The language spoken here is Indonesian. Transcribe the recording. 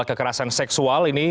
kekerasan seksual ini